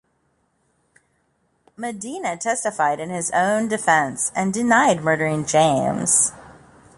Medina testified in his own defense and denied murdering James.